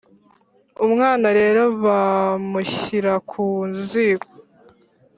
Umwana rero bamushyira ku ziko.